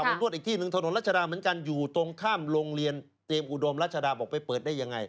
นวดอีกที่หนึ่งถนนรัชดาเหมือนกันอยู่ตรงข้ามโรงเรียนเตรียมอุดมรัชดาบอกไปเปิดได้ยังไง